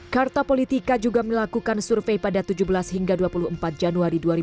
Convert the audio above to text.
karta politika juga melakukan survei pada tujuh belas januari dua ribu tujuh belas